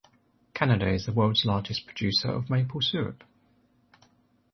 Canada is the world's largest producer of maple syrup.